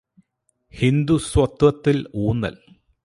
ഹിന്ദുസ്വത്വത്തില് ഊന്നല്